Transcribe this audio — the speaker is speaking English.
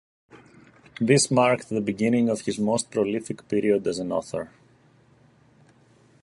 This marked the beginning of his most prolific period as an author.